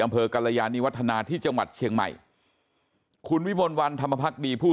กรยานิวัฒนาที่จังหวัดเชียงใหม่คุณวิมลวันธรรมพักดีผู้